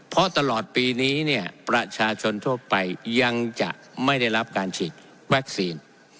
เพราะตลอดปีนี้เนี่ยประชาชนทั่วไปยังจะไม่ได้รับการฉีดวัคซีน